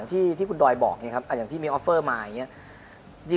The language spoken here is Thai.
ที่คุณดอยบอกไงครับอย่างที่มีออฟเฟอร์มาอย่างนี้